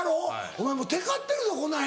お前もうテカってるぞこの辺。